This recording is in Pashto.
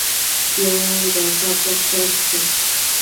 يو ناڅاپه څررر شو.